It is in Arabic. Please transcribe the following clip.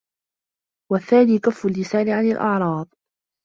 وَالثَّانِي كَفُّ اللِّسَانِ عَنْ الْأَعْرَاضِ